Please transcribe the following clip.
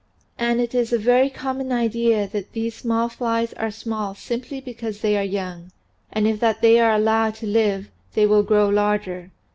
And it is a very common idea that these small flies are small simply because they are young and that if they are allowed to live they will grow larger.